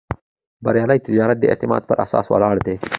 بریالی تجارت د اعتماد پر اساس ولاړ دی.